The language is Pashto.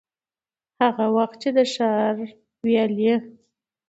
هغه وخت چي د ښار ويالې،